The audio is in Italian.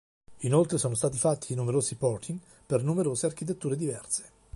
Inoltre sono stati fatti numerosi porting per numerose architetture diverse.